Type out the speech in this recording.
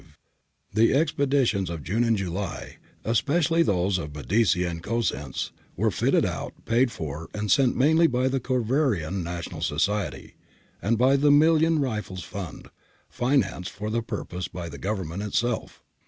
1907, prove that the expeditions of June and July, especially those of Medici and Cosenz, were fitted out, paid for and sent tnainly by the Cavourian National Society, and by the Million Rifles Fund, financed for the purpose by the Government itself.